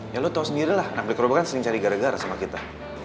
ya lo tau sendiri lah nak blek kobra kan sering cari gara gara sama kita